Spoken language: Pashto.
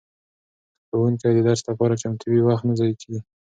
که ښوونکی د درس لپاره چمتو وي وخت نه ضایع کیږي.